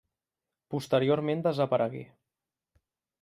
Posteriorment desaparegué.